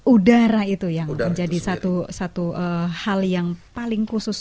udara itu yang menjadi satu hal yang paling khusus